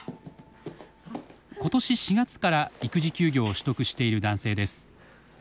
今年４月から育児休業を取得している男性です。